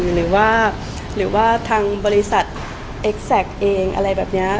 หรือว่าหรือว่าทางบริษัทเอ็กแซคเองอะไรแบบนี้